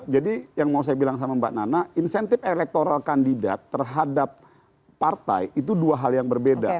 jadi yang mau saya bilang sama mbak nana insentif elektoral kandidat terhadap partai itu dua hal yang berbeda